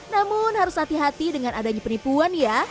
namun harus hati hati dengan adanya penipuan ya